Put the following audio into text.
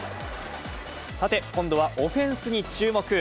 さて、今度はオフェンスに注目。